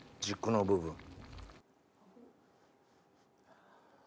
軸の部分。